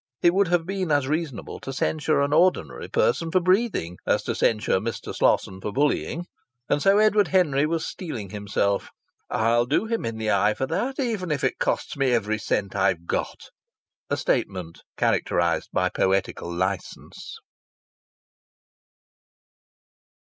It would have been as reasonable to censure an ordinary person for breathing as to censure Mr. Slosson for bullying. And so Edward Henry was steeling himself: "I'll do him in the eye for that, even if it costs me every cent I've got." (A statement characterized by poetical license!)